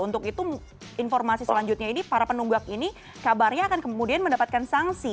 untuk itu informasi selanjutnya ini para penunggak ini kabarnya akan kemudian mendapatkan sanksi